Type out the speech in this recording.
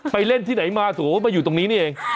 เล่นที่ไหนมาสมมุติมาอยู่ตรงนี้นี่เอง